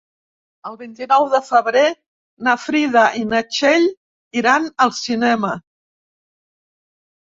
El vint-i-nou de febrer na Frida i na Txell iran al cinema.